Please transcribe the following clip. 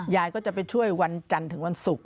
ยายก็จะไปช่วยวันจันทร์ถึงวันศุกร์